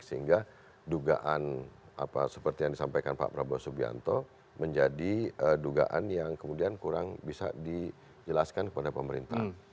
sehingga dugaan seperti yang disampaikan pak prabowo subianto menjadi dugaan yang kemudian kurang bisa dijelaskan kepada pemerintah